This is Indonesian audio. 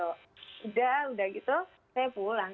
sudah udah gitu saya pulang